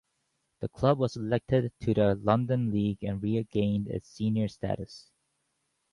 The club was elected to the London League and regained its senior status.